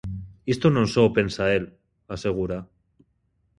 Isto non só o pensa el, asegura.